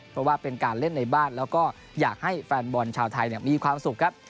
เพราะว่าเป็นการเล่นในบ้านแล้วก็อยากให้แฟนบอลชาวไทยมีความสุขครับ